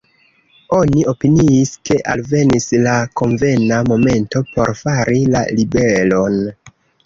Oni opiniis, ke alvenis la konvena momento por fari la ribelon.